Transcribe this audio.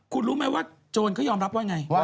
คุณรู้ไหมว่าโจรเขายอมรับว่าไง